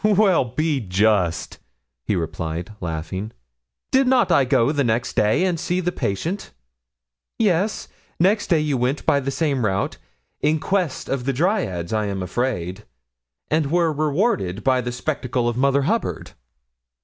'Well, be just,' he replied, laughing; 'did not I go next day and see the patient?' 'Yes; next day you went by the same route in quest of the dryads, I am afraid and were rewarded by the spectacle of Mother Hubbard.'